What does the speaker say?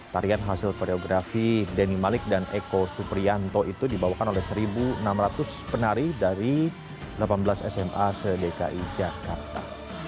tarian hasil koreografi denny malik dan eko suprianto itu dibawakan oleh satu enam ratus penari dari delapan belas sma se dki jakarta